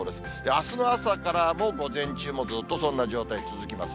あすの朝からも午前中もずっとそんな状態なってきます。